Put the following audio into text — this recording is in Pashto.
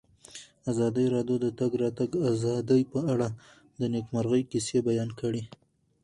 ازادي راډیو د د تګ راتګ ازادي په اړه د نېکمرغۍ کیسې بیان کړې.